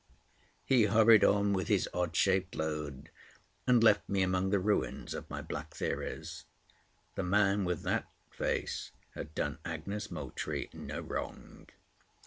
He hurried on with his odd shaped load and left me among the ruins of my black theories. The man with that face had done Agnes Moultrie no wrong.